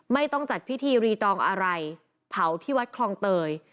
ไม่ต้องจัดพิธีรีตองอะไรเผาที่วัดคลองเตย